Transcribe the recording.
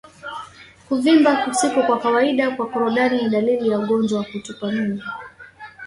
Kuvimba kusiko kwa kawaida kwa korodani ni dalili ya ugonjwa wa kutupa mimba